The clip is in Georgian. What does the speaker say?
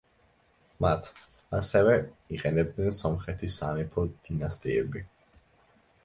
მათ, ასევე, იყენებდნენ სომხეთის სამეფო დინასტიები.